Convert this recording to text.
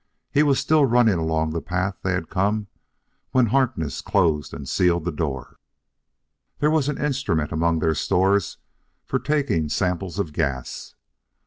He was still running along the path they had come when Harkness closed and sealed the door. There was an instrument among their stores for taking samples of gas.